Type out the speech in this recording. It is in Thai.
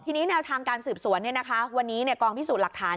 ทีนี้แนวทางการสืบสวนวันนี้กองพิสูจน์หลักฐาน